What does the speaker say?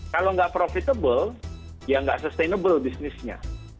kalau enggak profitable ya enggak sustainable bisnisnya